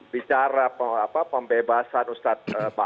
bicara pembebasan ustadz basir